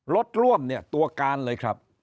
รถร่วมตัวการเลยครับ